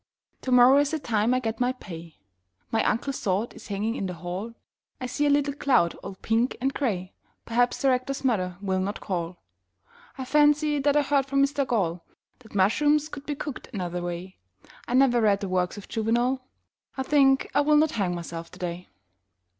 Tomorrow is the time I get my pay My uncle's sword is hanging in the hall I see a little cloud all pink and grey Perhaps the Rector's mother will not call I fancy that I heard from Mr Gall That mushrooms could be cooked another way I never read the works of Juvenal I think I will not hang myself today.